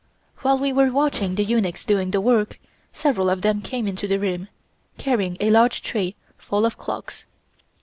While we were watching the eunuchs doing the work, several of them came into the room, carrying a large tray full of clocks.